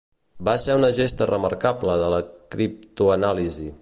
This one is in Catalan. Va ser una gesta remarcable de la criptoanàlisi.